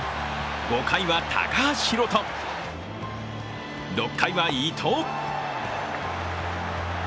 ５回は高橋宏斗、６回は伊藤。